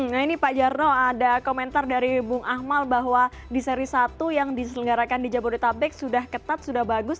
nah ini pak jarno ada komentar dari bung akmal bahwa di seri satu yang diselenggarakan di jabodetabek sudah ketat sudah bagus